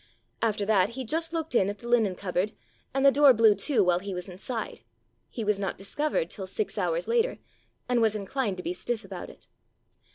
After that he just looked in at the linen cupboard, and the door blew to while he was inside. He was not dis covered till six hours later, and was inclined to be stiff about it.